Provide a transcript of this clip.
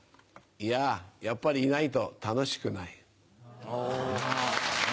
いややっぱりいないと楽しくない。